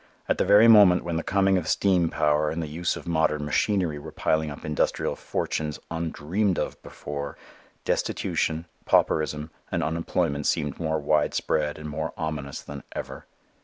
At the very moment when the coming of steam power and the use of modern machinery were piling up industrial fortunes undreamed of before, destitution, pauperism and unemployment seemed more widespread and more ominous than ever.